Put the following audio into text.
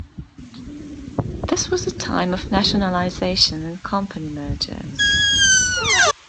This was the time of nationalisation and company mergers.